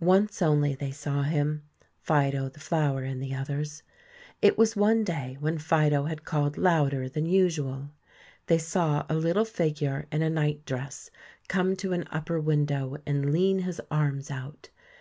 Once only they saw him, Fido, the flower, and the others. It was one day when Fido had called louder than usual. They saw a little figure in a night dress come to an upper window and lean his arms out.